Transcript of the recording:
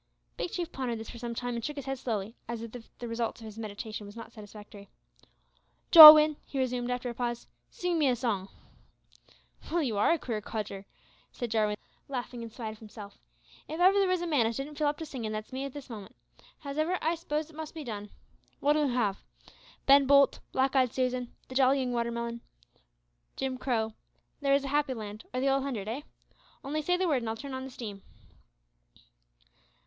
Big Chief pondered this for some time, and shook his head slowly, as if the result of his meditation was not satisfactory. "Jowin," he resumed, after a pause, "sing me a song." "Well, you are a queer codger," said Jarwin, laughing in spite of himself; "if ever there was a man as didn't feel up to singin', that's me at this moment. Howsomedever, I 'spose it must be done. Wot'll you 'ave? `Ben Bolt,' `Black eyed Susan,' `The Jolly Young Waterman,' `Jim Crow,' `There is a Happy Land,' or the `Old Hundred,' eh? Only say the word, an' I'll turn on the steam."